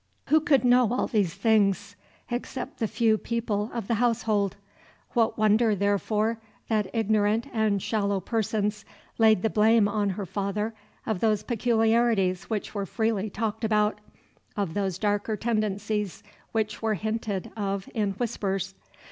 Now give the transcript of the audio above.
Who could know all these things, except the few people of the household? What wonder, therefore, that ignorant and shallow persons laid the blame on her father of those peculiarities which were freely talked about, of those darker tendencies which were hinted of in whispers?